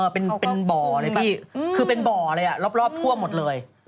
เป็นบ่อเลยพี่คือเป็นบ่อเลยรอบทั่วหมดเลย